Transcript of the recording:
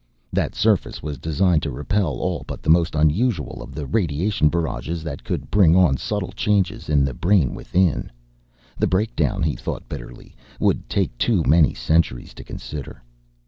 That surface was designed to repel all but the most unusual of the radiation barrages that could bring on subtle changes in the brain within. The breakdown, he thought bitterly, would take too many centuries to consider.